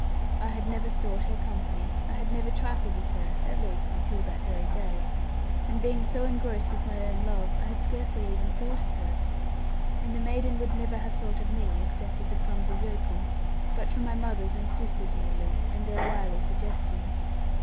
I had never sought her company, I had never trifled with her (at least until that very day), and being so engrossed with my own love, I had scarcely ever thought of her. And the maiden would never have thought of me, except as a clumsy yokel, but for my mother's and sister's meddling, and their wily suggestions.